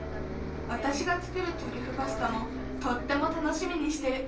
わたしがつくるトリュフパスタもとってもたのしみにしてる。